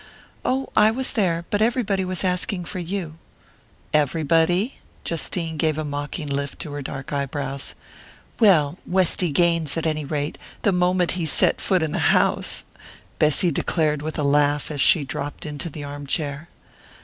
"Oh, I was there but everybody was asking for you " "Everybody?" Justine gave a mocking lift to her dark eyebrows. "Well Westy Gaines, at any rate; the moment he set foot in the house!" Bessy declared with a laugh as she dropped into the arm chair.